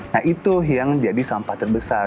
nah itu yang jadi sampah terbesar